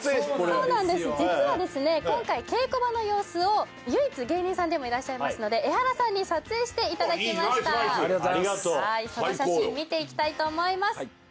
そうなんです実はですね今回稽古場の様子を唯一芸人さんでいらっしゃいますエハラさんに撮影していただきましたありがとうございますその写真見ていきたいと思います